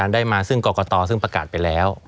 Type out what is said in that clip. ได้มาซึ่งกรกตซึ่งประกาศไปแล้ว